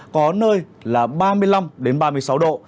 có nơi là ba mươi năm ba mươi sáu độ